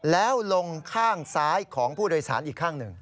แล้วลงข้างซ้ายของผู้โดยสารอีกข้างหนึ่ง